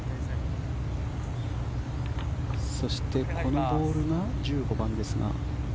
そしてこのボールが１５番ですが。